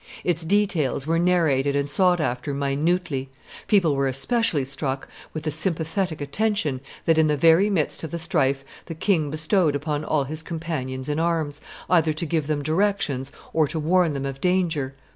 Its details were narrated and sought after minutely; people were especially struck with the sympathetic attention that in the very midst of the strife the king bestowed upon all his companions in arms, either to give them directions or to warn them of danger.